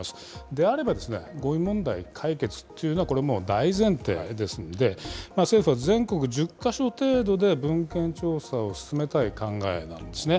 であれば、ごみ問題解決というのは、これはもう大前提ですので、政府は全国１０か所程度で文献調査を進めたい考えなんですね。